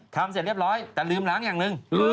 เสร็จเรียบร้อยแต่ลืมล้างอย่างหนึ่ง